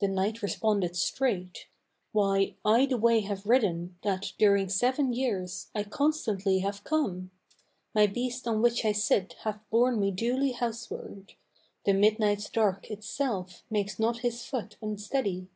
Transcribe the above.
The knight responded straight "Why, I the way have ridden That, during seven years, I constantly have come; My beast on which I sit hath borne me duly houseward The midnight's dark itself makes not his foot unsteady."